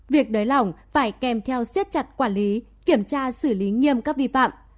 việc đới lỏng phải kèm theo siết chặt quản lý kiểm tra xử lý nghiêm các vi phạm